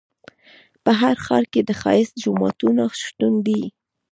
په هر ښار کې د ښایسته جوماتونو شتون دی.